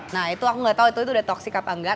nah itu aku nggak tahu itu udah beracun atau nggak